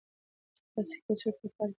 پلاستیکي کڅوړې په پارک کې مه پریږدئ.